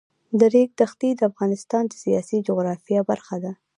د ریګ دښتې د افغانستان د سیاسي جغرافیه برخه ده.